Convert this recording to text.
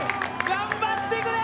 頑張ってくれ！